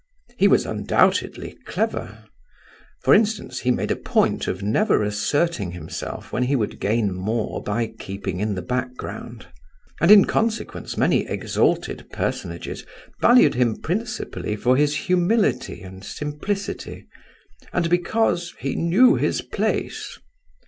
He was undoubtedly clever. For instance, he made a point of never asserting himself when he would gain more by keeping in the background; and in consequence many exalted personages valued him principally for his humility and simplicity, and because "he knew his place."